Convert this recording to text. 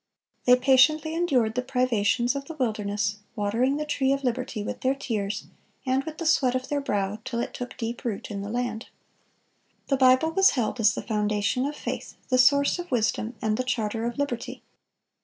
They patiently endured the privations of the wilderness, watering the tree of liberty with their tears, and with the sweat of their brow, till it took deep root in the land." The Bible was held as the foundation of faith, the source of wisdom, and the charter of liberty.